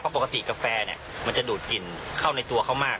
ปกติกาแฟมันจะดูดกลิ่นเข้าในตัวเขามาก